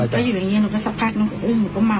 ถ้าอยู่อย่างนี้หนูก็สักพักหนูก็อึ้มหนูก็เมา